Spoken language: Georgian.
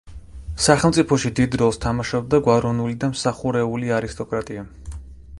სახელმწიფოში დიდ როლს თამაშობდა გვაროვნული და მსახურეული არისტოკრატია.